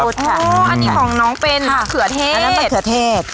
อันนี้ของน้องเป็นอันนั้นเป็นเขือเทศ